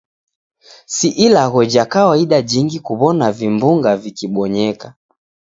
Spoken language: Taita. Si ilagho ja kawaida jingi kuw'ona vimbunga vikibonyeka.